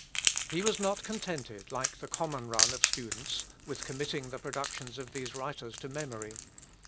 He was not contented, like the common run of students, with committing the productions of these writers to memory.